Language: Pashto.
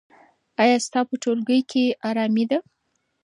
ایا ستا په ټولګي کې ارامي ده؟